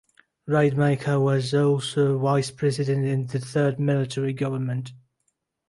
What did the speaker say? Rademaker was also vice-president in the third military government.